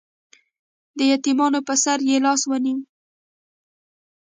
د یتیمانو په سر یې لاس ونیو.